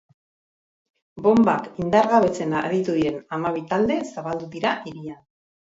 Bonbak indargabetzen aditu diren hamabi talde zabaldu dira hirian.